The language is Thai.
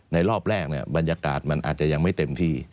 รอบแรกบรรยากาศมันอาจจะยังไม่เต็มที่